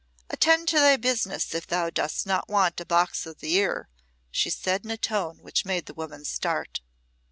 "Attend to thy business if thou dost not want a box o' the ear," she said in a tone which made the woman start.